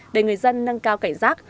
để người dân nâng cao cảnh giác